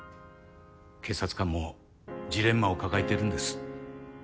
警察官もジレンマを抱えているんです。